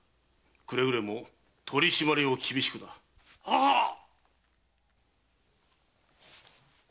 くれぐれも取り締まりを厳しくな。ははーっ。